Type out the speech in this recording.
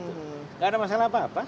tidak ada masalah apa apa